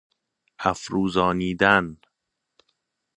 افروزانیدن